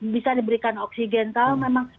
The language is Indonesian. bisa diberikan oksigen kalau memang